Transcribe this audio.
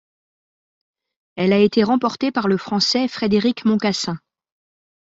Elle a été remportée par le Français Frédéric Moncassin.